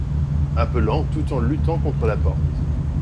Appelant tout en luttant contre la porte.